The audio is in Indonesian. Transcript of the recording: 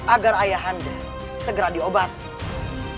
agar ayah anda segera diobat